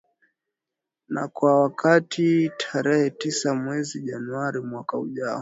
na kwa wakati tarehe tisa mwezi januari mwaka ujao